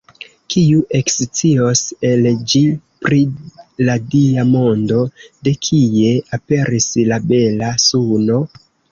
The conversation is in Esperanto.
Kiu ekscios el ĝi pri la Dia mondo: De kie aperis la bela suno?